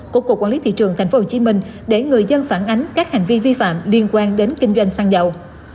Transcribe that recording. của cục quản lý thị trường tp hcm để người dân phản ánh các hành vi vi phạm liên quan đến kinh doanh xăng dầu